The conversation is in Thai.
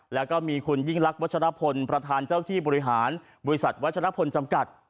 แล้วก็มีคุณยิ่งรักวัชรพลประธานเจ้าที่บริหารบริษัทวัชรพลจำกัด